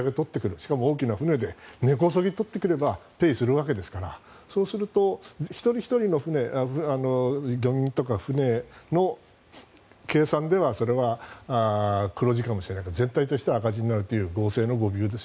しかも大きな船で根こそぎ取ってくればペイするわけですからそうすると一人ひとりの船、漁民とかは計算では黒字かもしれないけど全体として赤字になるという。